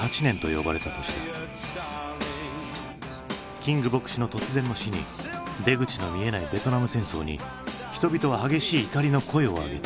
キング牧師の突然の死に出口の見えないベトナム戦争に人々は激しい怒りの声を上げた。